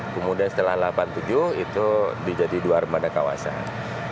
kemudian setelah seribu sembilan ratus delapan puluh tujuh itu menjadi dua armada kawasan